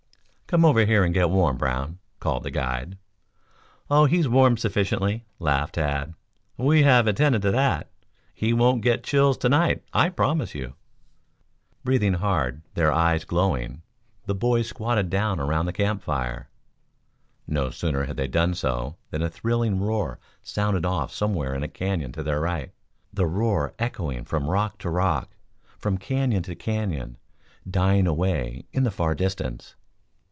"Come over here and get warm, Brown," called the guide. "Oh, he's warmed sufficiently," laughed Tad. "We have attended to that. He won't get chills to night, I promise you." Breathing hard, their eyes glowing, the boys squatted down around the camp fire. No sooner had they done so than a thrilling roar sounded off somewhere in a canyon to their right, the roar echoing from rock to rock, from canyon to canyon, dying away in the far distance.